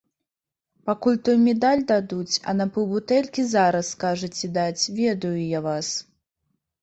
Пакуль той медаль дадуць, а на паўбутэлькі зараз скажаце даць, ведаю я вас.